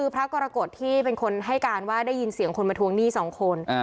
พระกรกฎที่เป็นคนให้การว่าได้ยินเสียงคนมาทวงหนี้๒คน